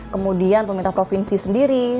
kemudian pemerintah provinsi sendiri